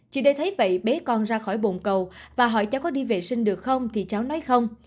chị đây thấy vậy bé con ra khỏi bồn cầu và hỏi cháu có đi vệ sinh được không thì cháu nói không